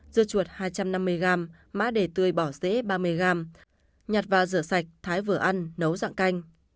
dưa chuột hai trăm năm mươi g má đề tươi bỏ dễ ba mươi g nhặt vào rửa sạch thái vừa ăn nấu dạng canh